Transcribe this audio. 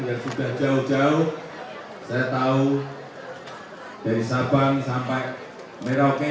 yang sudah jauh jauh saya tahu dari sabang sampai merauke